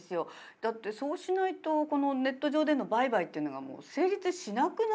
だってそうしないとこのネット上での売買っていうのがもう成立しなくなりますよね。